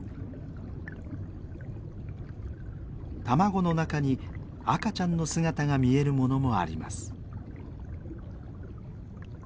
卵の中に赤ちゃんの姿が見えるものもあります。